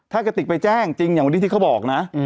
ถ้ากระติกไปแจ้งจริงอย่างวันนี้ที่เขาบอกนะ